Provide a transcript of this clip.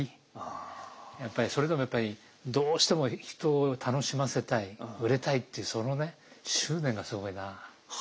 やっぱりそれでもやっぱりどうしても人を楽しませたい売れたいっていうそのね執念がすごいなあ。